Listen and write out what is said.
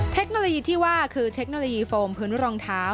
เทคโนโลยีที่ว่าคือเทคโนโลยีโฟมพื้นรองเท้า